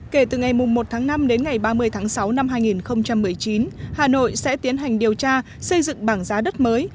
kể từ ngày một tháng năm đến ngày ba mươi tháng sáu năm hai nghìn một mươi chín hà nội sẽ tiến hành điều tra xây dựng bảng giá đất mới